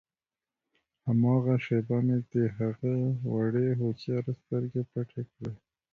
هماغه شېبه مې د هغه وړې هوښیارې سترګې پټې کړې.